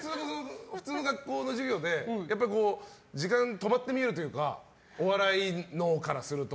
普通の学校の授業で時間が止まって見えるというかお笑い脳からすると。